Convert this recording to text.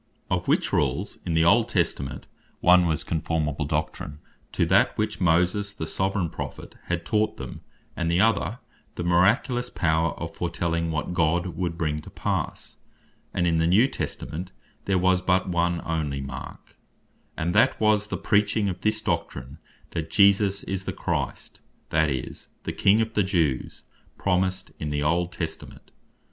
Of which rules, in the Old Testament, one was, conformable doctrine to that which Moses the Soveraign Prophet had taught them; and the other the miraculous power of foretelling what God would bring to passe, as I have already shown out of Deut. 13. 1. &c. and in the New Testament there was but one onely mark; and that was the preaching of this Doctrine, That Jesus Is The Christ, that is, the King of the Jews, promised in the Old Testament.